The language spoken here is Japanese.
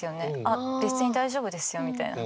あっ別に大丈夫ですよみたいな。